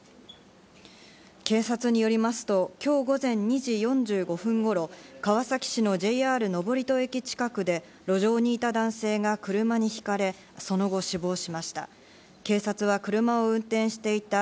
警察によりますと、今日午前２時４５分頃、川崎市のＪＲ登戸駅近くで路上にいた男性が車に轢かれ、その後死亡しました。